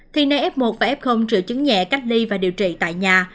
thi nay f một và f trừ chứng nhẹ cách ly và điều trị tại nhà